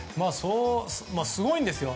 すごいんですよ。